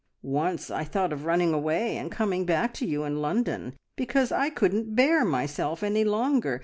Once I thought of running away and coming back to you in London, because I couldn't bear myself any longer.